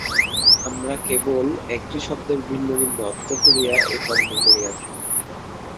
আমরা কেবল একটি শব্দের ভিন্ন ভিন্ন অর্থ করিয়া এই তর্ক করিয়া থাকি।